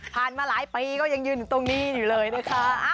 มาหลายปีก็ยังยืนอยู่ตรงนี้อยู่เลยนะคะ